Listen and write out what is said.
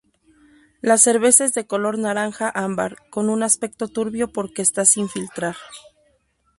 La cerveza es de color naranja-ámbar con un aspecto turbio porque está sin filtrar.